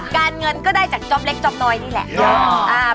การเงินก็ได้จากจ๊อปเล็กจ๊อปน้อยนี่แหละ